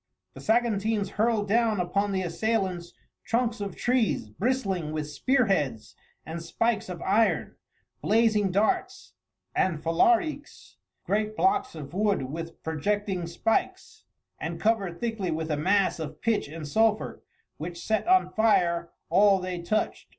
The Saguntines hurled down upon the assailants trunks of trees bristling with spearheads and spikes of iron, blazing darts and falariques great blocks of wood with projecting spikes, and covered thickly with a mass of pitch and sulphur which set on fire all they touched.